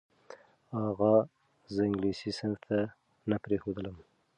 اغا زه انګلیسي صنف ته نه پرېښودلم.